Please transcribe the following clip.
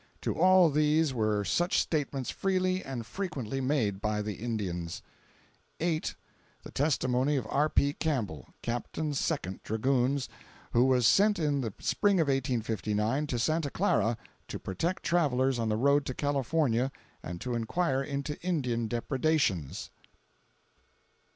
To all these were such statements freely and frequently made by the Indians. "8. The testimony of R. P. Campbell, Capt. 2d Dragoons, who was sent in the Spring of 1859 to Santa Clara, to protect travelers on the road to California and to inquire into Indian depredations."